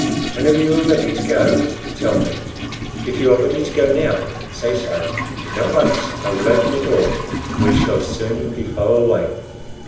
Whenever you are ready to go, tell me; if you are ready to go now, say so, and at once I will open the door, and we shall soon be far away."